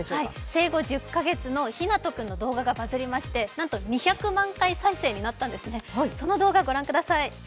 生後１０か月のひなと君の動画がバズりましてなんと２００万回再生になったんですね。